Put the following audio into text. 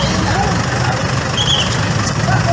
รถมันต่อไปเสียเนอะ